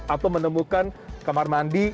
atau menemukan kamar mandi